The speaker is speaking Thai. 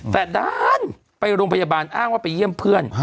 แต่ด้านไปโรงพยาบาลอ้างว่าไปเยี่ยมเพื่อน